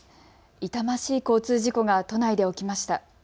痛ましい交通事故が都内で起きました。